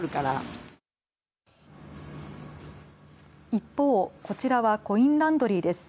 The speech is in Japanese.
一方、こちらはコインランドリーです。